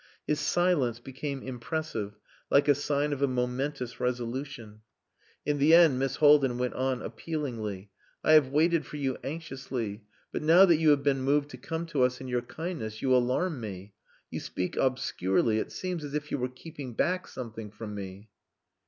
His silence became impressive, like a sign of a momentous resolution. In the end Miss Haldin went on, appealingly "I have waited for you anxiously. But now that you have been moved to come to us in your kindness, you alarm me. You speak obscurely. It seems as if you were keeping back something from me."